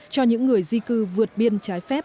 cho những người di cư vượt biên trái phép